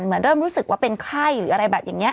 เหมือนเริ่มรู้สึกว่าเป็นไข้